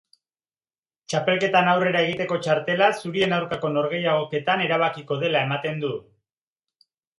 Txapelketan aurrera egiteko txartela zurien aurkako norgehiagoketan erabakiko dela ematen du.